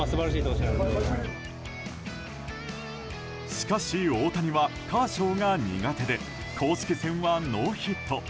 しかし大谷はカーショーが苦手で公式戦はノーヒット。